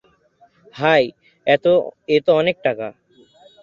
হায়, এতো অনেক টাকা।